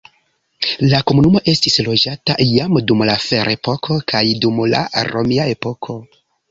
La komunumo estis loĝata jam dum la ferepoko kaj dum la romia epoko.